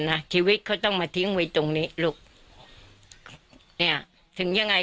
นะชีวิตเขาต้องมาทิ้งไว้ตรงนี้ลูกเนี้ยถึงยังไง